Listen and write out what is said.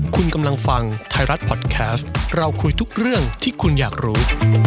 คุณกำลังฟังไทยรัฐพอดแคสต์เราคุยทุกเรื่องที่คุณอยากรู้